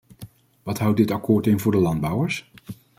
Wat houdt dit akkoord in voor de landbouwers?